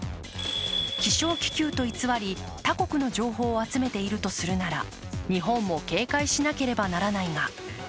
気象気球と偽り、他国の情報を集めているとするなら日本も警戒しなければならないが。